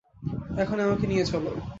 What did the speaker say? এখনি আমাকে নিয়ে চলো।